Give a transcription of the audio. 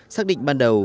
xác định ban đầu